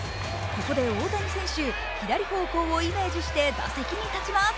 ここで大谷選手、左方向をイメージして打席に立ちます。